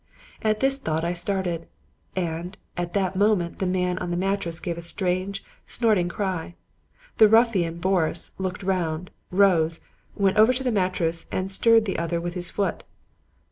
"At this thought I started; and at that moment the man on the mattress gave a strange, snorting cry. The ruffian, Boris, looked round, rose, went over to the mattress and stirred the other with his foot.